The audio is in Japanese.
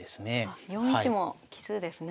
４一も奇数ですね。